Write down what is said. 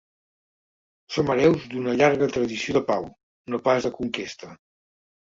Som hereus d'una llarga tradició de pau, no pas de conquesta.